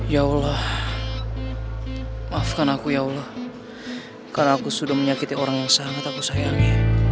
ya allah maafkan aku ya allah karena aku sudah menyakiti orang yang sangat aku sayangi